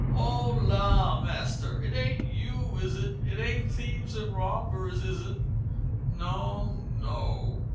"Oh la! master, it ain't you, is it? It ain't thieves and robbers, is it?" "No, no.